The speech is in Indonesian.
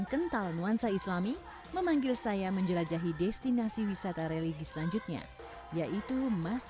kita berwisata seperti ini sering dilakukan bahkan ada pelatihan salah satu bentuknya tarisaman ini